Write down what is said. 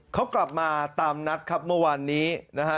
เขากลับมาตามนัดครับเมื่อวานนี้นะฮะ